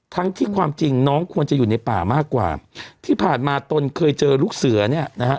ทั้งที่ความจริงน้องควรจะอยู่ในป่ามากกว่าที่ผ่านมาตนเคยเจอลูกเสือเนี่ยนะฮะ